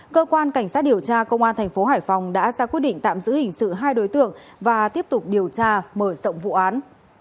cơ quan cảnh sát điều tra công an thành phố hải phòng đã ra quyết định tạm giữ hình sự hai đối tượng và tiếp tục điều tra mở rộng vụ án